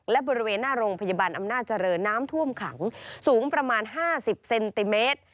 และบริเวณหน้าโรงพยาบาลอำนาจเจริญน้ำท่วมขังสูงประมาณ๕๐เซนติเมตร